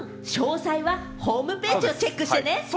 詳細はホームページをチェックしてね。